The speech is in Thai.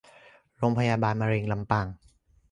โรงพยาบาลมะเร็งลำปาง